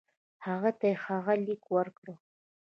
هغه ته یې هغه لیک ورکړ.